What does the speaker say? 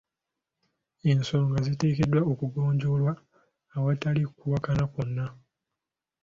Ensonga ziteekeddwa okugonjoolwa awatali kuwakana nnyo.